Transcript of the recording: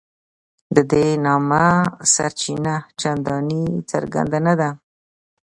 د دې نامه سرچینه چنداني څرګنده نه ده.